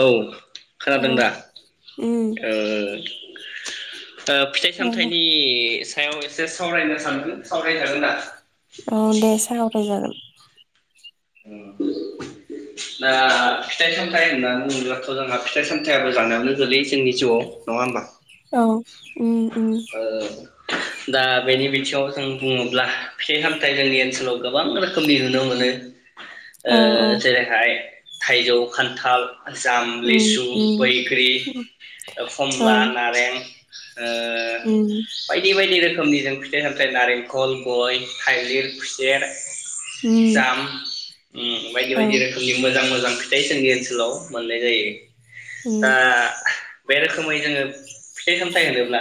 औ औ खोनादों दा उम ओ ओ फिथाइ जागोन दे सामथायाइनि सायाव एसे सावरायनो सानदोंन सावराय जागोन दा औ दे सावराय जागोन [inaudible] दा फिथाइ सामथायाइ होननानै बुङोब्लाथ जोंहा फिथाइ सामथायाबो जानायावनो गोलैयो जोंनि जिउआव नङा होमबा औ अम ओ दा बेनि बिथिङाव जों बुङोब्ला फिथाय सामथाइ जोंनि ओनसोलाव गोबां रोखोमनि नुनो मोनो ओ औ औ जेरैहाय थाइजौ, खान्थाल जाम, उम लिसु, उम बैग्रि, औ खमला, उम नारें [inaudible] ओ बायदि बायदि रोखोम नि जों फिथाइ सामथाय नारेंखल, गय, थाइलिर, खुसेर, उम जाम उम बायदि औ बायदि रोखोमनि मोजां मोजां फिथाय जोंनि ओनसोलाव मोननाय जायो। उम दा बे रोखोमै जोङो फिथाइ साम थाय होनोब्ला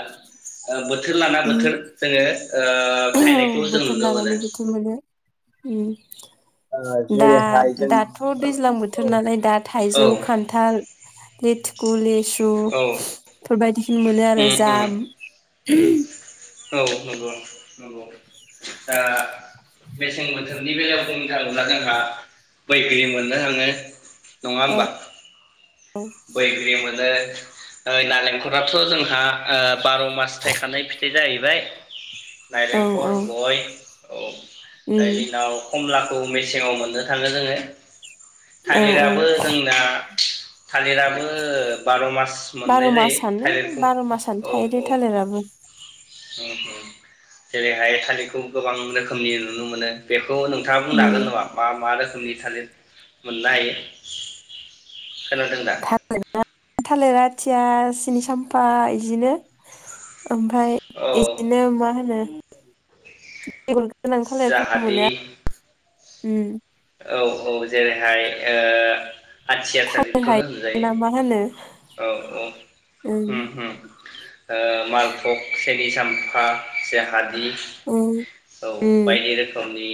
ओ बोथोर लाना उम बोथोर जोङो ओ औ थायनायखौ जों बोथोर नुनो मोनो लानानै बोथोर मोनो ओम। दा दाथ' दैज्लां बोथोर नालाय दा औ थाइजौ, खान्थाल, लिथुकु, लिसु, औ बेफोरबायदि मोनो आरो उम उम जाम, [inaudible] औ नंगौ नंगौ। दा मेसें बोथोरनि बेलायाव बुंनो थाङोब्ला जोंहा बैग्रि मोननो थाङो। नङा होमबा बैग्रि मो नो, ओ नालेंखराथ' जोंहा ओ बार' मास थायखानाय फिथाइ जाहैबाय। औ औ नाइरेंखल, गय औ, दा उम इनि उनाव खमला खौ मेसेङाव मोननो थाङो जोङो। औ औ थालिराबो जोंना थालिराबो बार' मास बार' मोननाय जायो मासानो थालिरखौ बार' मासानो औ थायो दे औ। थालिराबो होम होम जेरैहाय थालिरखौ गोबां रोखोमनि नुनो मोनो बे खौ नोंथाङा बुंनो उम हागोन नामा मा मा रोखोमनि थालिर मोननो हायो? खोनादों दा? थालिर आथिया, सिनि साम्फा इदिनो ओमफ्राय औ बिदिनो मा होनो बेगर गोनां थालिरफोरबो मोनो जाहादि आरो। ओम औ औ जेरैहाय ओ आथिया थालिर थालिरखौनो हायो ना मा होनो होनजायो औ औ उम होम होम ओ मालफक्स सेनि साम्फा जाहा उम औ उम बायदि रोखोमनि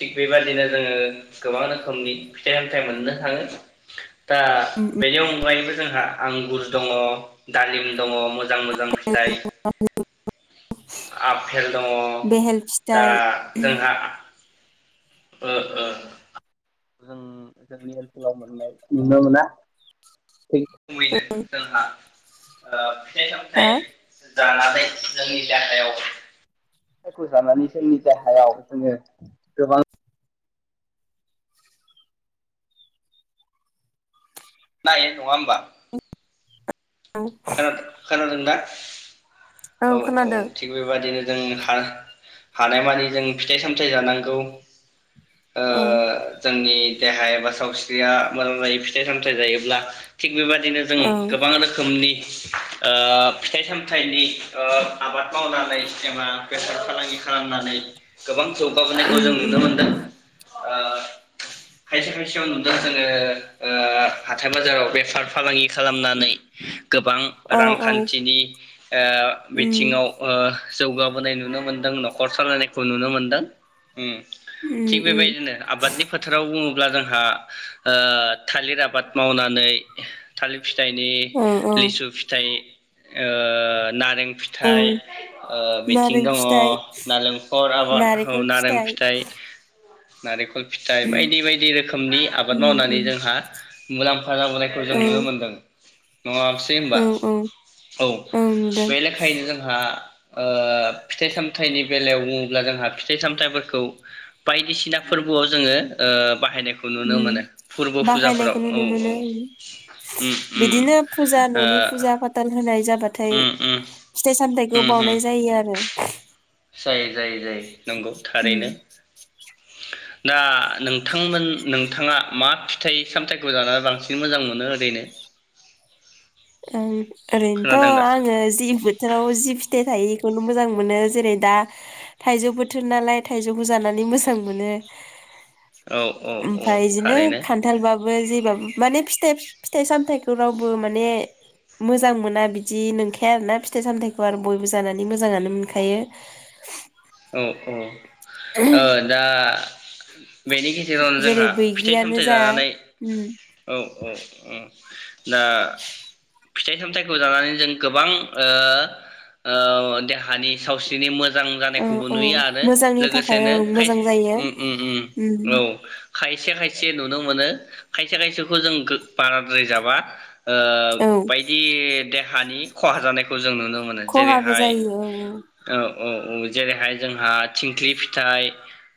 थिग' बेबादिनो जोङो गोबां रोखोमनि फिथाइ सामथायाइ मोननो थाङो दा उम बेनि अनगायैबो जोंहा आंगुर दङ दालिम दङ मो मोजां मोजां फिथाइ आफेल दङ बेहेल दा फिथाइ जोंहा ओ ओ जों जोंनि ओनसोलाव मोननाय नुनो मोना [inaudible] [unintelligible] जोंहा आ फिथाइ हा सामथाइ जानानै जोंनि देहायाव फिथाइखौ जानानै जोंनि देहायाव जोङो गोबां मोनन्नो हायो नङा होमबा खोनादों खोनादोंना औ औ थिग बे बायदिनो जों हा हानायमानि जों फिथाइ सामथाइ जानांगौ ओ औ जोंनि देहा एबा सावस्रिया मोजां जायो फिथाइ सामथाइ जायोब्ला थिग बेबायदिनो जों औ गोबां रोखोमनि ओ फिथाइ सामथाइनि ओ आबाद मावनानै एबा बेफार फालांगि खालामनानै गोबां जौगाबोनायखौ उम जों नुनो उम मोनदों ओ खायसे खायसेयाव नुदों जोंङो ओ हाथाय बाजाराव बेफार फालांगि खालामनानै गोबां औ औ रांखान्थिनि ओ उम बिथिङाव ओ जौगाबोनाय नुनो मोनदों नखर सालायनायखौ नुनो मोनदों। ओम उम थिग उम बेबायदिनो आबादनि फोथाराव बुङोब्ला जोंहा ओ थालिर आबाद मावनानै थालिर फिथाइनि औ औ लिसु फिथाइ ओ नारें औ फिथाइ ओ बिथिं नारें दङ फिथाइ नालेंखल आबाद औ नारें फिथाइ। नारिंखल। फिथाइ बायदि बायदि रोखोमनि आबाद उम मावनानै उम जोंहा मुलाम्फा जाबोनायखौ जों औ नुनो मोन्दों। नङा दे होनबा औ औ औ बे लेखायैनो जोंहा ओ फिथाइ सामथायाइनि बेलायाव बुङोब्ला जोंहा फिथाइ सामथाइफोरखौ बायदिसिना फोरबोआव जोङो ओ बाहायनाय नुनो उम मोनो फोरबो फुजाफोराव बाहायनायखौ औ नुनो औ मोनो उम उम-उम बिदिनो फुजा ननि फुजा फाथाल होनाय जाब होबाथाय उम फिथाइ सामथायाइखौ उम उम बावनाय जायो आरो जायो जायो जायो नंगौ थारैनो। दा नोंथांमोन नोंथाङा मा फिथाइ सामथायाइखौ जानानै बांसिन मोजां मोनो ओरैनो ओं खोनादों ओरैनोथ' दा आंङो जि बोथोराव जि फिथाइ जायो बेखौनो मोजां मोनो जेरै दा थाइजौ बोथोर नालाय थाइजौखौ जानानै मोजां मोनो। औ औ औ ओमफ्राय बिदिनो थारैनो खान्थालबाबो जेबाबो माने फिथाइ फिथाइ सामथायाइखौ रावबो माने मोजां मोना बिदि नंखाया आरोना फिथाइ सामथायाइखौ आरो बयबो जानानै मोजाङानो मोनखायो। औ औ। ओ दा [inaudible] बेनि गेजेरावनो जेरै जोंहा फिथाइ बैग्रियानो सामथाइ जा जानानै उम औ। औ औ दा फिथाइ सामथाइखौ जानानै जों गोबां ओ औ देहानि सावस्रिनि मोजां औ औ मोनहोयो आरो मोजांनि थाखाय लोगोसेनो ओं मोजां खायफा जायो उम उम उम औ। खायसे खायसे नुनो मोनो खायसे खायसेखौ जों बाराद्राय जाबा ओ औ बायदि देहानि खहा जानायखौ जों नुनो मोनो। खहाबो जेरैहाय जायो औ ओ अ औ जेरैहाय जोंहा थिंख्लि फिथाइ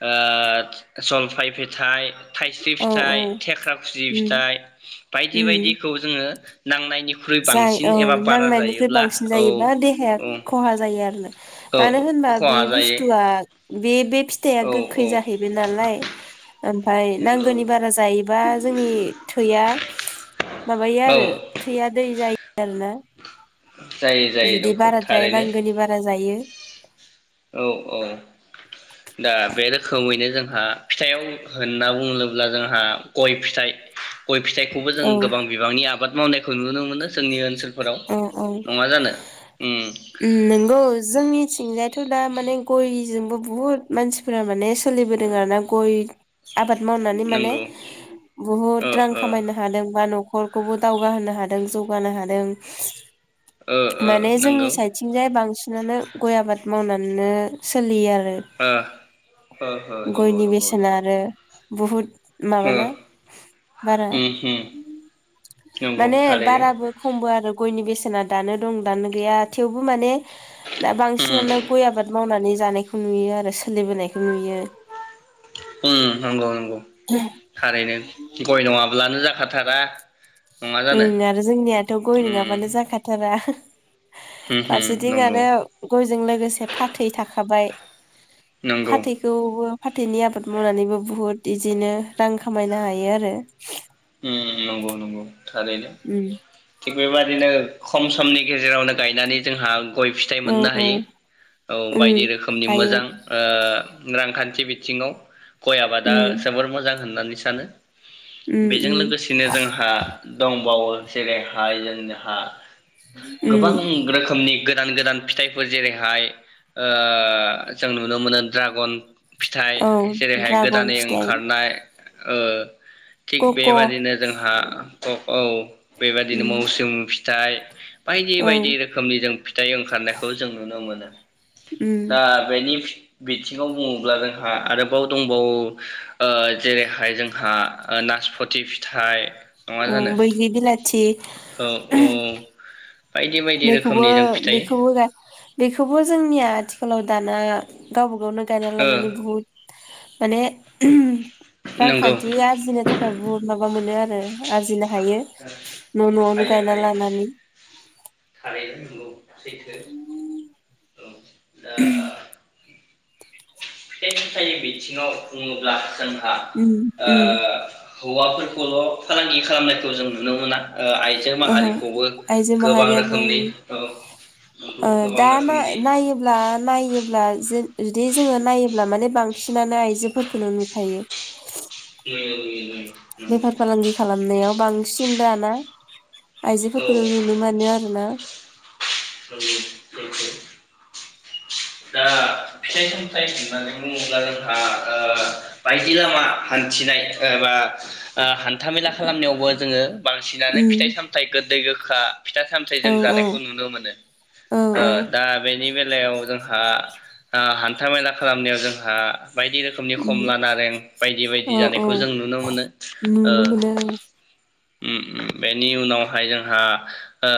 ओ जलफाय फिथाइ थाइस्रि औ औ फिथाइ थेख्रा खुसि उम फिथाइ बायदि उम बायदिखौ जोङो नांनायनि जाय औ नांनायनिख्रुइ बांसिन औ जायोबा देहाया औ खहा जायो आरोना औ मानो होनबा बे खहा जायो बुस्थुआ बे बेे फिथाइया औ गोखै औ जाहैबाय नालाय ओमफाय नंगौ नांगौनि बारा जायोबा जोंनि थैया माबायो औ आरो थैया जायो आरो ना जायो जायो जुदि नंगौ बाराद्राय थारैनो नांगौनि बारा जायो औ-औ दा बे रोखोमैनो जोंहा फिथाइयाव होनना बुङोब्ला जोंहा गय फिथाइ गय फिथाइखौबो जों औ गोबां बिबांनि आबाद मावनायखौ नुनो मोनो जोंनि ओनसोल औ-औ ओम उम नंगौ जोंनिथिंजाय थुना माने गय गयजोंबो बुहुत मानसिफोरा माने सोलिबोदों आरोना गय आबाद मावनानै माने नंगौ ओ बहुद रां खामायनो हादों बा न' न'खरखौबो दावगाहोनो हादों जौगानो हादों। ओ ओ माने नंगौ जोंनि साइदथिंजाय बांसिन बिदिनो गय आबाद मावनानैनो सोलियो आरो। ओ-ओ- ओ नंगौ-नंगौ-नंगौ बुहुद माबाना बारा उम उम नंगौ माने थारैनो बाराबो खमबो आरो बेसेना दानो दं दानो गैया थेवबो माने दा उम बांसिनानो गय आबाद मावनानै जानायखौ नुयो आरो सोलिबोनायखौ नुयो। ओम नंगौ-नंगौ थारैनो गय नङाब्लानो जाखा हाथारा ओम आरो जोंनियाथ' गय नङाबानो जाखाथारा। होम होम फारसेथिं नंगौ आरो गयजों लोगोसे फाथै थाखाबाय नंगौ फाथैखौबो फाथैनि आबाद मावनानैबो बुहुत बिदिनो रां खामायनो हायो आरो उम नंगौ-नंगौ थारैनो उम बेबादिनो खम समनि गेजेरावनो गायनानै जोंहा गय फिथाइ औ मोननो औ हायो औ उम बायदि रोखोमनि हायो मोजां ओ रांखान बे बिथिङाव गय आबादा उम जोबोर मोजां होननानै सानो उम बेजों उम लोगोसेनो जोंहा दंबावो जेरैहाय जोंहा गोबां उम रोखोमनि गो गोदान गोदान फिथाइफोर जेरैहाय ओ जों नुनो मोनो ड्रागन फिथाइ औ जेरैहाय ड्रागन गोदानै फिथाइ ओंखारनाय ओ थिग कक' बेबादिनो जोंहा औ औ बेबादिनो उम मौसुमि फि थाइ बायदि ओं बायदि रोखोमनि जों फिथाइ ओंखारनायखौ जों नुनो मोनो उम दा बेनि फि बिथिङाव बुङोब्ला जोंहा आरोबाव दंबावो ओ जेरैहाय जोंहा नासपथि फिथाइ नङा औ जानो बैग्रि बिलाथि औ औ बायदि बायदि बेखौबो रोखोमनि जों फिथाइ बेखौबो गा बेखौबो जोंनिया आथिखालाव दाना गावबा गावनो गायना ओ लानानै बुहुद माने ओम नंगौ रांखान्थि आरजिनो थाखाय बुहुत माबा मोनो आ आरजिनो हायो न' न'आवनो हायो गायना हायो लानानै [inaudible] सैथो औ दा [unintelligible] फिथाइ सामथायाइनि बिथिङाव बुङोब्ला जों उम ओ उम हौवाफोरखौल' फालांगि खालामनायखौ जों नुनो मोना ओ आइजो ओहो माहारिखौबो आइजो गोबां माहारियाबो रोखोमनि औ नंगौ गोबां दा रोखोमनि नायोब्ला नायोब्ला ज जुदि जोङो नायोब होनब्ला माने बांसिनानो आइजोफोरखौनो नुखायो [unintelligible] बेफार फालांगि खालामनायाव बां -सिन दाना औ आइजोफोरखौनो नुनो मोनो आरोना [unintelligible] दा फिथाइ सामथाइ होननानै बुंङोब्ला जोंहा बायदि लामा हान्थिनाय एबा हान्थामेला खालामनायावबो जोंङो बांसिनानो फिथाइ उम सामथाइ गोदै खा फिथा सामथाइ औ जों औ जानायखौ नुनो मोनो औ औ दा बेनि बे खेलायाव जों हान्था मेला खालामनायाव जोंहा बायदि रोखोमनि उम खमला नारें बायदि बायदि औ औ जानायखौ जों नुनो मोनो नुनो मोनो बेनि उनावहाय जोंहा ओ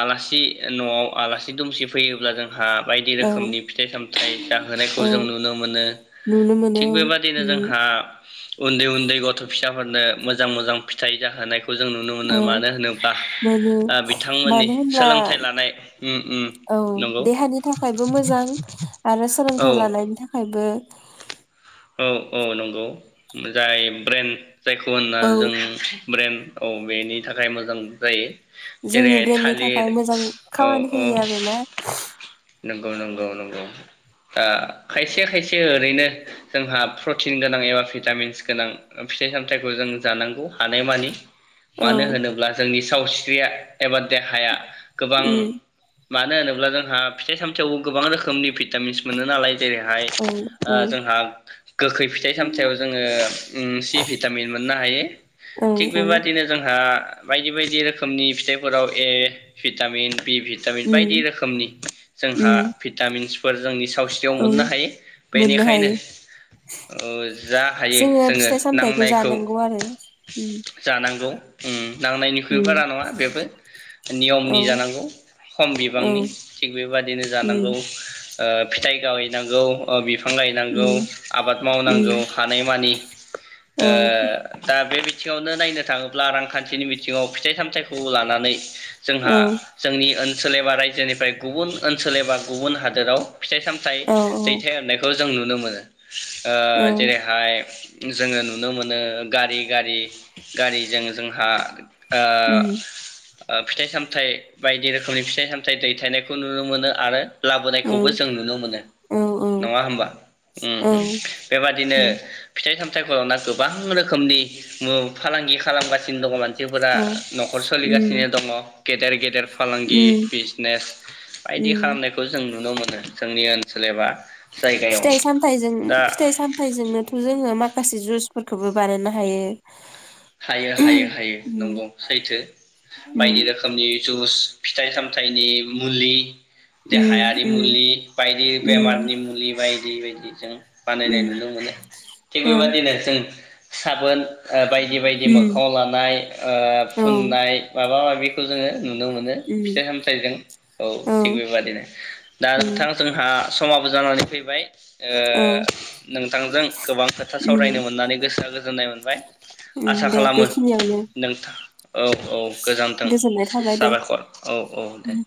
आलासि न'आव आलासि दुमसि फैयोब्ला जोंहा बायदि औ रोखोमनि फिथाइ सामथ जाहोनायखौ औ जों नुनो मोनो नुनो मोनो थिग बेबाददिनो औ उम जोंहा उन्दै उन्दै गथ' फिसा नो मोजां मोजां फिथाइ जाहोनायखौ खौ जों नुनो मोनो औ मानो होनोबा मोनो बिथांमोननि मानो होनब्ला सोलोंथाइ लानाय औ नंगौ देहानि थाखायबो मोजां आरो सोलोंथाइ औ लानायनि थाखाय बो औ औ नंगौ जाय ब्रेन जायखौ होनना औ जों ब्रेन औ बेनि थाखाय मोजां जायो जोंनि जेरैहाय ब्रेननि थालिर थाखाय मोजां औ खामानि औ होयो आरोना नंगौ नंगौ नंगौ दा खायसे खायसे ओरैनो जोंहा प्रटिन गोनां एबा भिटामिन्स गोनां फिथाइ सामथाइखौ जों जानांगौ हानायमानि औ मानो होनोब्ला जोंनि सावस्रिया एबा देहाया गोबां उम मानो होनोब्ला जोंहा फिथाइ सामथायाइयावबो गोबां रोखोमनि भिटामिन्स मोनो नालाय। जेरैहाय औ ओ औ जोंहा गोखै फिथाइ सामथायाव जोंङो सि भिटामिन मोननो हायो औ थिग बेबादिनो जोंहा दा बायदि बायदि रोखोमनि फिथाइफोराव ए भिटामिन बि भिटामिन बायदि उम रोखोमनि जोंहा उम भिटामिन्सफोर जोंनि सावस्रियाव औ मोननो हायो। मोननो बेनिखायनो हायो ओ जा हायो जोङो जोंङो फिथाइ सामथाइखौ नांनायखौ जानांगौ आरो उम जानां नोंगौ उम। नांनायनिख्रुइ बारा उम नंङा बेबो औ नियमनि औ जानांगौ खम बिबांनि थिग बेबादिनो उम जानांगौ। ओ फिथाइ गावहैनांगौ ओ बिफ फां लायनांगौ। उम आबाद उम मावनांगौ हानायमानि औ ओ दा दा बे बिथिङावनो नायनो थाङोब्ला रांखान्थिनि बिथिङाव फिथाइ सामथायखौ लानानै जोंहा औ जोंनि ओन सोल एबा रायजोनिफ्राय गुबुन ओनसोल एबा गुबुन हादोराव फिथाइ सामथाय औ औ दैथाय हरनायखौ जों नुनो मोनो। ओ औ जेरैहाय जोङो नुनो मोनो गारि गारि गारिजों जोंहा ओ उम ओ फिथाइ सामथाय बायदि रोखोमनि फिथाइ सामथाय दैथायनायखौ नुनो मोनो आरो औ लाबोनायखौबो जों नुनो मोनो औ औ नङा होमबा? उम औ उम बेबादिनो उम फिथ फिथाइ सामथायखौना गोबां रोखोमनि ओ फालांगि खालामगासिनो दङ' मान सिफोरा औ न'खर उम सोलिगासिनो दङ'। गेदेर गेदेर। फालांगि उम बिजनेस बायदि उम खालामनायखौ जों नुनो मोनो। जोंनि ओनसोल एबा जायगायाव जों दा फिथाय सामथायजोंनोथ' जोङो माखासे जुस फोरखोबो बानायनो हायो। हायो हायो हायो उम नंगौ सैथो उम बायदि रोखोमनि जुस। फिथाइ सामथायाइनि मुलि देहायारि उम मुलि बायदि उम बेमारनि मुलि बायदि बेबायदिजों बानायनाय उम नुनो मोनो थिग उम औ बेबादिनो जों साबोन बेबायदि उम मोखाङाव लानाय ओ औ फुननाय माबा माबि [inaudible] नुनो मोनो फिथाइ सामथायाइजों औ थिग उम बेबादिनो दा औ नोंथां उम जोंहा समाबो जानानै फैबाय औ ओ नोंथांजों गोबां खोथा उम सावरायनो मोननानै गोसोआ गो गोजोननाय मोनबाय। ओन दे बेखिनियावनो नोंथां औ औ गोजानथों गोजोननाय थाबाय दे। साबायखर औ औ उम दे।